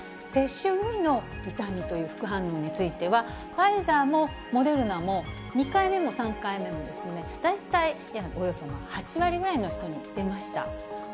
接種部位の痛みという副反応については、ファイザーもモデルナも、２回目も３回目もですね、大体およそ８割ぐらいの人に出ました。